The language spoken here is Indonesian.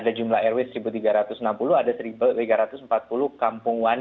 dan ini menunjukkan bahwa saya bisa pegang data ini artinya ini adalah suatu komunikasi yang sangat luar biasa